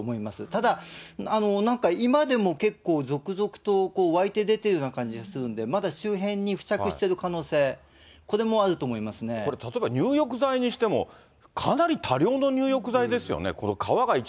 ただ、なんか今でも結構、続々と湧いて出てるような感じがするんで、まだ周辺に付着してる可能性、これ例えば、入浴剤にしても、かなり多量の入浴剤ですよね。